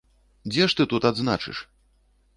Дзе ж ты тут адзначыш?